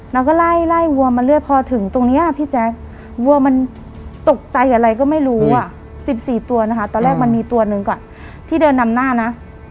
แล้วก็ไล่ไล่วัวมาเรื่อยพอถึงตรงนี้พี่แจ๊ควัวมันตกใจอะไรก็ไม่รู้๑๔ตัวนะคะตอนแรกมันมีตัวหนึ่งที่เดินนำหน้านะ